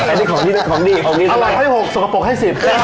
ไอ้ที่ของดีเอาไว้ของที่๖ส่งกระป๋องให้๑๐